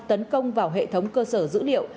tấn công vào hệ thống cơ sở dữ liệu